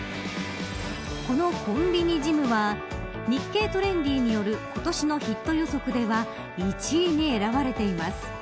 このコンビニジムは日経トレンディによる今年のヒット予測では１位に選ばれています。